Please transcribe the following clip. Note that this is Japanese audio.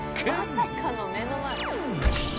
まさかの目の前。